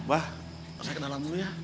bah saya ke dalam dulu ya